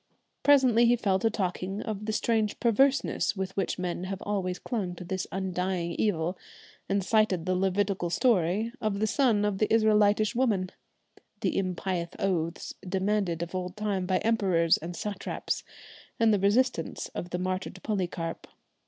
Presently he fell to talking of the strange perverseness with which men have always clung to this undying evil, and cited the Levitical story of "the son of the Israelitish woman," the impious oaths demanded of old time by emperors and satraps, and the resistance of the martyred Polycarp.